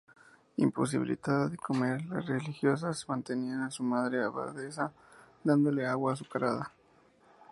Imposibilitada de comer, las religiosas mantenían a su Madre Abadesa dándole agua azucarada.